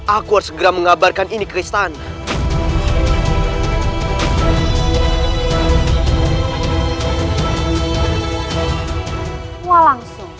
aku harus segera mengabarkan ini ke istana